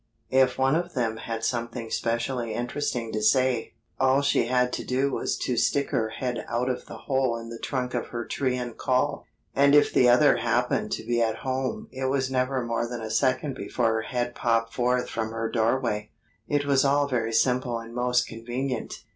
If one of them had something specially interesting to say, all she had to do was to stick her head out of the hole in the trunk of her tree and call. And if the other happened to be at home it was never more than a second before her head popped forth from her doorway. It was all very simple and most convenient.